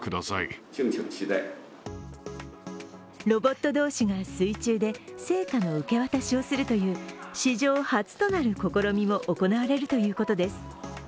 ロボット同士が水中で聖火の受け渡しをするという史上初となる試みも行われるということです。